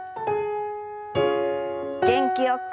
元気よく。